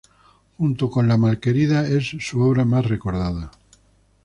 Junto con "La Malquerida" es su obra más recordada.